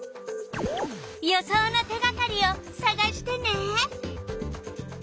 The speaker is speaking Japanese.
予想の手がかりをさがしてね！